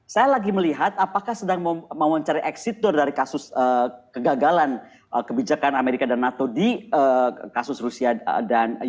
saya lagi melihat apakah sedang mewawancari exit door dari kasus kegagalan kebijakan amerika dan nato di kasus rusia dan ukra